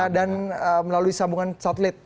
dan melalui sambungan satelit